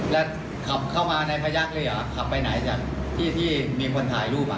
แล้วขับเข้ามาในพยักษ์เลยเหรอขับไปไหนจากที่ที่มีคนถ่ายรูปอ่ะ